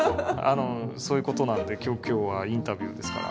そういうことなので今日はインタビューですから。